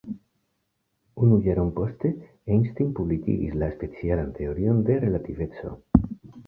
Unu jaron poste Einstein publikigis la specialan teorion de relativeco.